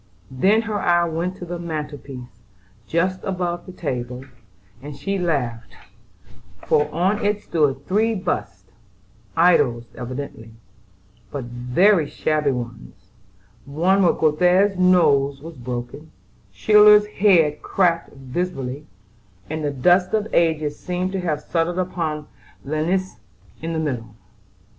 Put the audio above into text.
Then her eye went to the mantel piece, just above the table, and she laughed; for, on it stood three busts, idols evidently, but very shabby ones; for Göthe's nose was broken, Schiller's head cracked visibly, and the dust of ages seemed to have settled upon Linnæus in the middle.